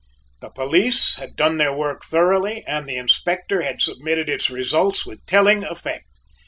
The police had done their work thoroughly and the Inspector had submitted its results with telling effect.